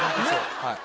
はい。